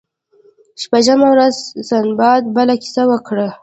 شپږمه ورځ سنباد بله کیسه وکړه.